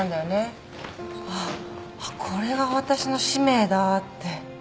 ああこれが私の使命だって。